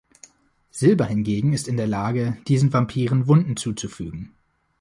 Silber hingegen ist in der Lage, diesen Vampiren Wunden zuzufügen.